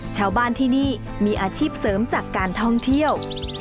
ชาวบ้านที่นี่มีอาชีพเสริมจากการท่องเที่ยว